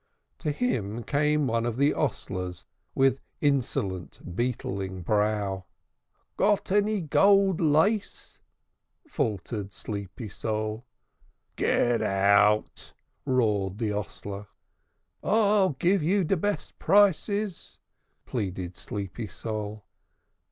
To him came one of the hostlers with insolent beetling brow. "Any gold lace?" faltered Sleepy Sol. "Get out!" roared the hostler. "I'll give you de best prices," pleaded Sleepy Sol.